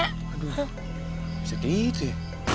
aduh bisa gitu ya